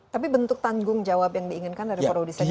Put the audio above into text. tapi bentuk tanggung jawab yang diinginkan dari produsen itu seperti apa